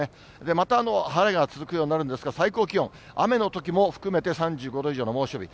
また晴れが続くようになるんですけれども、最高気温、雨のときも含めて３５度以上の猛暑日。